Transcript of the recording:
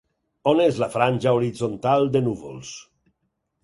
On és la franja horitzontal de núvols?